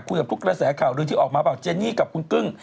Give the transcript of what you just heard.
กับทุกกระแสข่าวลือที่ออกมาบอกเจนี่กับคุณกึ้ง